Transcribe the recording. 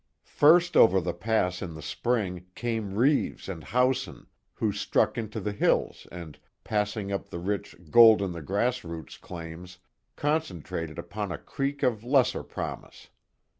First over the pass in the spring came Reeves and Howson who struck into the hills and, passing up the rich "gold in the grass roots" claims, concentrated upon a creek of lesser promise.